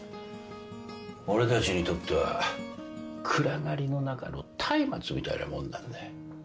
俺たちにとっては暗がりの中のたいまつみたいなもんなんだよ。